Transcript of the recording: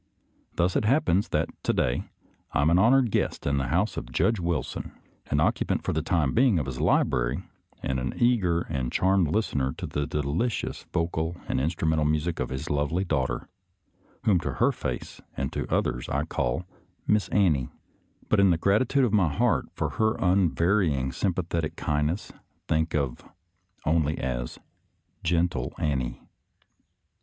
Thus it happens that to day I am an honored guest in the house of Judge Wilson, an occupant for the time being of his library, and an eager and charmed listener to the delicious vocal and in strumental music of his lovely daughter, whom to her face and to others I call " Miss Annie," but in the gratitude of my heart for her unvary ing sympathetic kindness think of only as " Gen tle Annie."